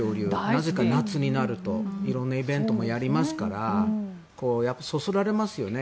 なぜか夏になると色んなイベントもやりますからそそられますよね